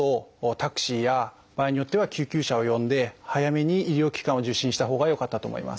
タクシーや場合によっては救急車を呼んで早めに医療機関を受診したほうがよかったと思います。